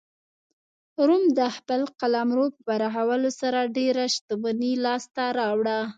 روم د خپل قلمرو په پراخولو سره ډېره شتمني لاسته راوړه